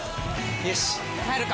よし帰るか！